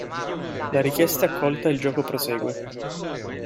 La richiesta è accolta e il gioco prosegue.